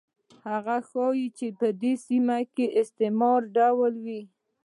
هغه ښيي چې په دې سیمه کې استعمار څه ډول و.